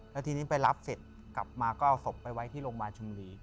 แล้วทีนี้ไปรับเสร็จกลับมาก็เอาศพไปไว้ที่โรงพยาบาลชนบุรี